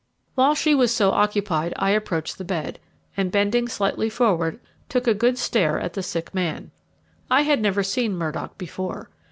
While she was so occupied I approached the bed, and bending slightly forward, took a good stare at the sick man. I had never seen Murdock before.